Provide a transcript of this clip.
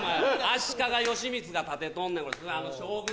足利義満が建てとんねん将軍